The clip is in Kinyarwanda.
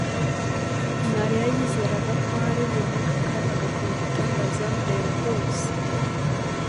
Mariya yizeraga ko hari buboneke akanya agakora igitangaza bamureba bose.